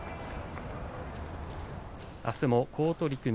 あすも好取組